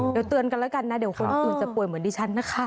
เดี๋ยวเตือนกันแล้วกันนะเดี๋ยวคนอื่นจะป่วยเหมือนดิฉันนะคะ